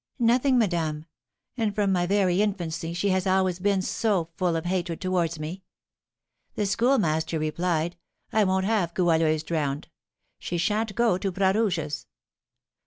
"Nothing, madame; and from my very infancy she had always been so full of hatred towards me. The Schoolmaster replied, 'I won't have Goualeuse drowned! She sha'n't go to Bras Rouge's!'